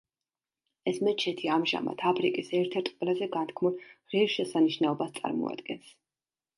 ეს მეჩეთი ამჟამად აფრიკის ერთ-ერთ ყველაზე განთქმულ ღირსშესანიშნაობას წარმოადგენს.